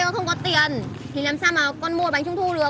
thì làm sao mà con mua bánh trung thu được